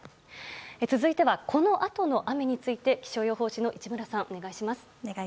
続いては、このあとの雨について気象予報士の市村さんお願いします。